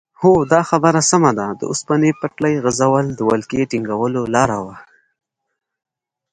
هو دا خبره سمه ده د اوسپنې پټلۍ غځول د ولکې ټینګولو لاره وه.